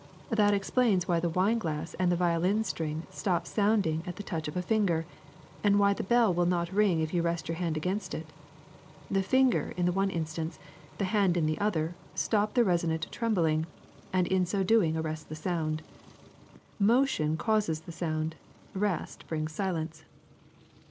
That explains why the wine glass and the violin string stop sounding at the touch of a finger, and why the bell will not ring if you rest your hand against it. The finger in the one instance, the hand in the other, stop the resonant trembling, and in so doing arrest the sound. Motion causes the sound; rest brings silence.